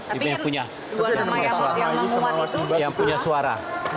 tapi ada dua nama yang memiliki suara